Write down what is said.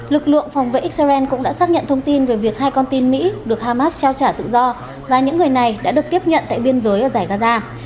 lực lượng phòng vệ israel cũng đã xác nhận thông tin về việc hai con tin mỹ được hamas trao trả tự do và những người này đã được tiếp nhận tại biên giới ở giải gaza